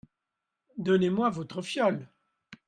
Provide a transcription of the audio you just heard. Donnez-moi votre fiole !